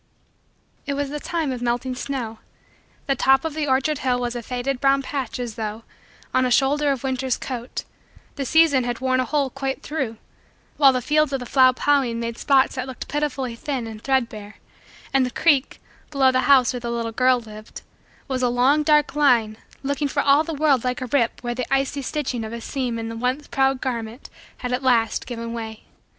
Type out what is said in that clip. It was the time of melting snow. The top of the orchard hill was a faded brown patch as though, on a shoulder of winter's coat, the season had worn a hole quite through; while the fields of the fall plowing made spots that looked pitifully thin and threadbare; and the creek, below the house where the little girl lived, was a long dark line looking for all the world like a rip where the icy stitching of a seam in the once proud garment had, at last, given way.